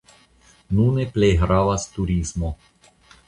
Nune plej gravas turismo.